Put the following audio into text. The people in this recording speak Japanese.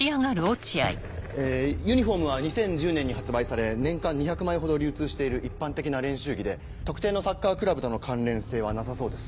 えユニホームは２０１０年に発売され年間２００枚ほど流通している一般的な練習着で特定のサッカークラブとの関連性はなさそうです。